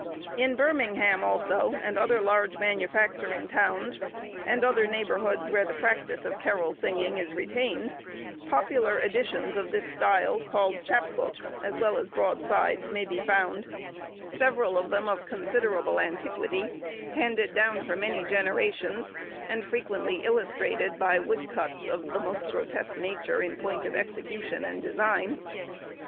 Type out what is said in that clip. In Birmingham also, and other large manufacturing towns, and other neighbourhoods where the practice of carol singing is retained, popular editions of the style called chap books, as well as broadsides may be found; several of them of considerable antiquity, handed down for many generations, and frequently illustrated by woodcuts of the most grotesque nature in point of execution and design.